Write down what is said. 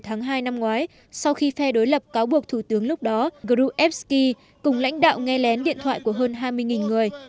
từ tháng hai năm ngoái sau khi phe đối lập cáo buộc thủ tướng lúc đó gruevski cùng lãnh đạo nghe lén điện thoại của hơn hai mươi người